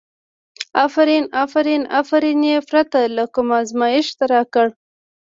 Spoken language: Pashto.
افرین افرین، افرین یې پرته له کوم ازمېښته راکړه.